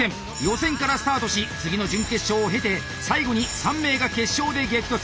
予選からスタートし次の準決勝を経て最後に３名が決勝で激突。